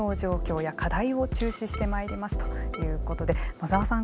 野澤さん